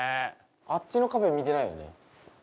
あっちの壁見てないよね